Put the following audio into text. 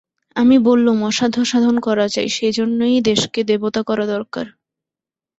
আমি বললুম, অসাধ্য সাধন করা চাই, সেইজন্যেই দেশকে দেবতা করা দরকার।